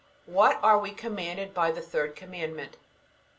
What are we commanded by the third Commandment?